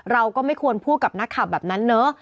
เราก็ไม่ควรพูดกับนักข่าวแบบนั้นเนอะ